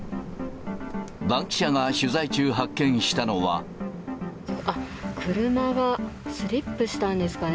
バンキシャが取材中、発見したのあっ、車がスリップしたんですかね。